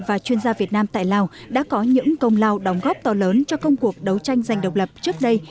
và chuyên gia việt nam tại lào đã có những công lao đóng góp to lớn cho công cuộc đấu tranh giành độc lập trước đây